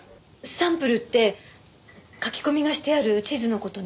サンプルって書き込みがしてある地図の事ね？